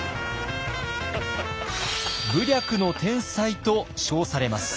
「武略の天才」と称されます。